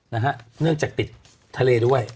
เนื่องจากติดทะเลด้วย